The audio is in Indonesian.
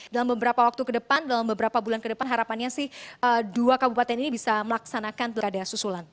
dalam beberapa waktu ke depan dalam beberapa bulan ke depan harapannya sih dua kabupaten ini bisa melaksanakan pilkada susulan